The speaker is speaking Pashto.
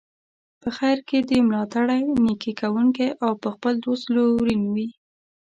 په خیر کې دي ملاتړی، نیکي کوونکی او پر خپل دوست لورین وي.